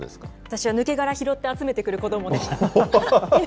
私は抜け殻拾って集めてくる子どもでした。